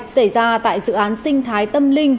xảy ra tại dự án sinh thái tâm linh